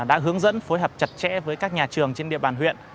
đã hướng dẫn phối hợp chặt chẽ với các nhà trường trên địa bàn huyện